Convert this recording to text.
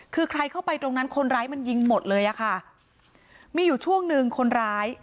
คือใครเข้าไปตรงนั้นคนร้ายมันยิงหมดเลยอะค่ะมีอยู่ช่วงหนึ่งคนร้าย